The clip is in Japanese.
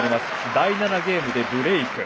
第７ゲームでブレーク。